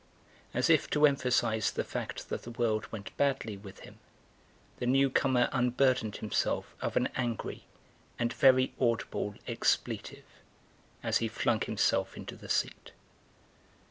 As if to emphasise the fact that the world went badly with him the new corner unburdened himself of an angry and very audible expletive as he flung himself into the seat.